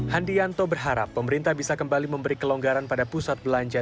handianto berharap pemerintah bisa kembali memberi kelonggaran pada pusat belanja